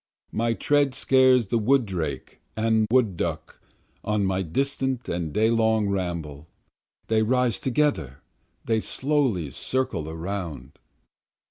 My tread scares the wood drake and wood duck on my distant and day long ramble, They rise together, they slowly circle around.